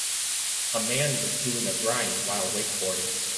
A man is doing a grind while wakeboarding.